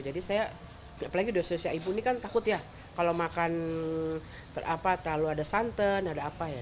jadi saya apalagi dosisnya ibu ini kan takut ya kalau makan apa kalau ada santan ada apa ya